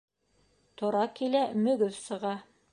Тора килә мөгөҙ сыға.